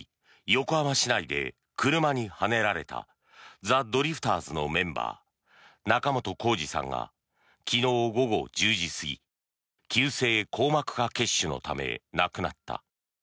横浜市内で車にはねられたザ・ドリフターズのメンバー仲本工事さんが昨日午後１０時過ぎ急性硬膜下血腫のため亡くなった。